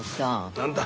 何だ？